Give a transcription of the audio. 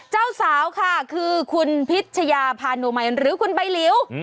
เจ้าสาวค่ะคือคุณพิชยาพานุมัยหรือคุณใบหลิว